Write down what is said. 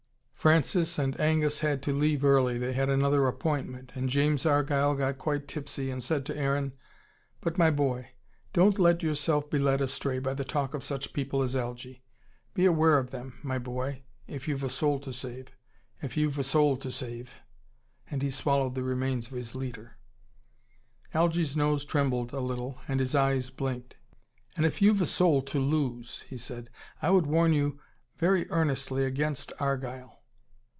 Francis and Angus had to leave early. They had another appointment. And James Argyle got quite tipsy, and said to Aaron: "But, my boy, don't let yourself be led astray by the talk of such people as Algy. Beware of them, my boy, if you've a soul to save. If you've a soul to save!" And he swallowed the remains of his litre. Algy's nose trembled a little, and his eyes blinked. "And if you've a soul to LOSE," he said, "I would warn you very earnestly against Argyle."